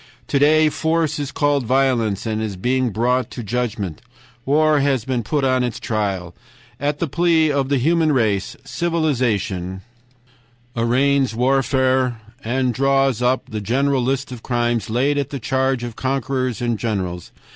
'To day force is called violence, and is being brought to judgment; war has been put on its trial. At the plea of the human race, civilization arraigns warfare, and draws up the great list of crimes laid at the charge of conquerors and generals.